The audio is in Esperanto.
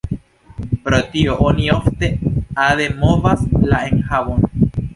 Pro tio oni ofte ade movas la enhavon.